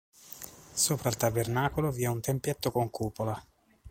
Sopra il tabernacolo vi è un tempietto con cupola.